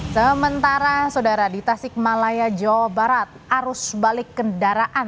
sementara saudara di tasik malaya jawa barat arus balik kendaraan